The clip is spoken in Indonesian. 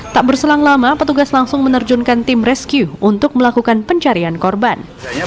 tak berselang lama petugas langsung menerjunkan tim rescue untuk melakukan pencarian korban